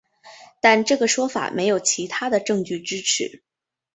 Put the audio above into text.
但这个说法没有其他的证据支持。